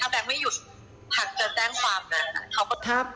ถ้าแบ็กไม่หยุดพักจะแจ้งความนะค่ะ